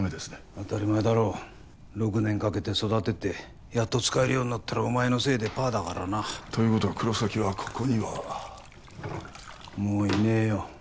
当たり前だろ６年かけて育ててやっと使えるようになったらお前のせいでパーだからなということは黒崎はここにはもういねえよ